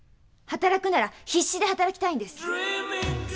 働くなら必死で働きたいんです！